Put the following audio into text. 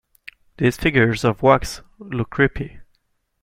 These figures of wax look creepy.